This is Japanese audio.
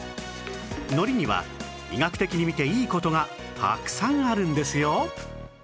海苔には医学的に見ていい事がたくさんあるんですよ